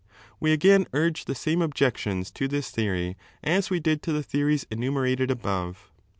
We again urge the same objections to this theory as we did to the theories enumerated above.